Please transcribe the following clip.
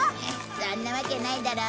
そんなわけないだろ。